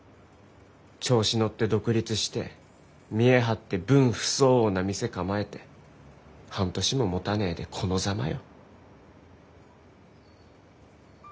調子乗って独立して見え張って分不相応な店構えて半年ももたねえでこのざまよ。